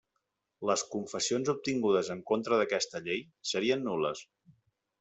Les confessions obtingudes en contra d'aquesta llei serien nul·les.